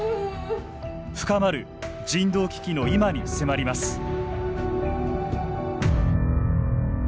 深まる人道危機の今に迫ります。